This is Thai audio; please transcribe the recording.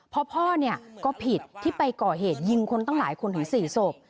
เพราะพ่อก็ผิดที่ไปก่อเหตุยิงคนตั้งหลายคนถึง๔ศพ